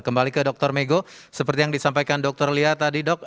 kembali ke dr mego seperti yang disampaikan dokter lia tadi dok